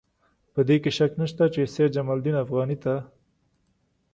په دې کې شک نشته چې سید جمال الدین افغاني ته.